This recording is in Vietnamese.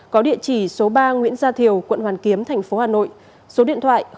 có địa chỉ số ba nguyễn gia thiều quận hoàn kiếm tp hà nội số điện thoại sáu mươi chín hai trăm ba mươi ba